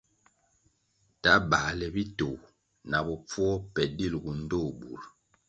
Ta bāle bitoh na bopfuo pe dilʼgu ndtoh bur.